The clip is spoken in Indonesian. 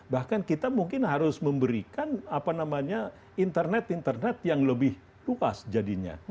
bahkan kita mungkin harus memberikan apa namanya internet internet yang lebih luas jadinya